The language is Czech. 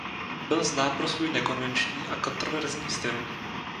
Byl znám pro svůj nekonvenční a kontroverzní styl.